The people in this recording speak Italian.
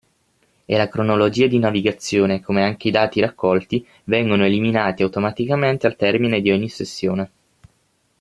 E la cronologia di navigazione, come anche i dati raccolti, vengono eliminati automaticamente al termine di ogni sessione.